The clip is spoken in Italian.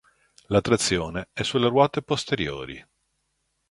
La trazione è sulle ruote posteriori.